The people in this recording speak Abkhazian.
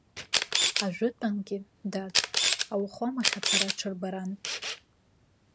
Ажәытәангьы, дад, ауахәамахь ацара ҽырбаран.